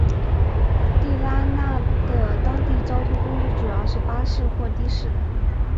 地拉那的当地交通工具主要是巴士或的士。